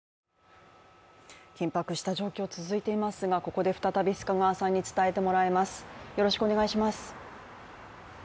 緊迫した状況が続いていますが、ここで再び須賀川さんに伝えてもらいます。